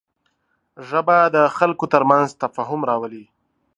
ژبه د خلکو تر منځ تفاهم راولي